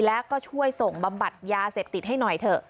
แล้วก็ช่วยส่งบำบัดยาเสพติดให้หน่อยเถอะ